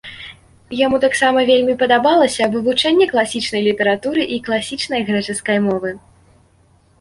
Яму таксама вельмі падабалася вывучэнне класічнай літаратуры і класічнай грэчаскай мовы.